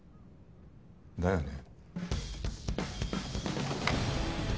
だよね。